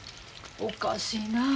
おかしいなあ。